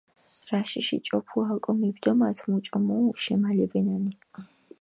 რაშიში ჭოფუა ოკო მიბდომათ მუჭო მუ შიმალებენანი.